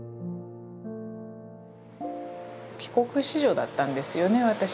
帰国子女だったんですよね私。